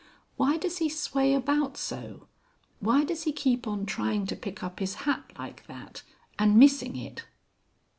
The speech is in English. "Why does he sway about so? Why does he keep on trying to pick up his hat like that and missing it?"